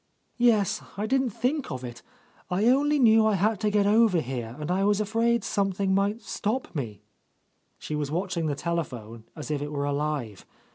"Yes ; I didn't think of it. I only knew I had to get over here, and I was afraid something might stop me," She was watching the telephone as if it were alive.